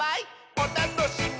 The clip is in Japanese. おたのしみ！」